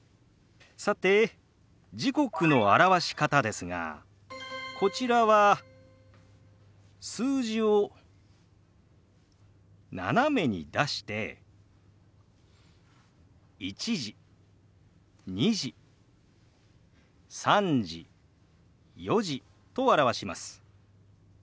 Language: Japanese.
さて時刻の表し方ですがこちらは数字を斜めに出して「１時」「２時」「３時」「４時」と表します。